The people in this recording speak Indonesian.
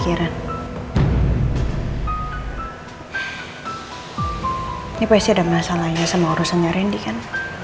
ini pasti ada masalahnya sama urusannya randy kan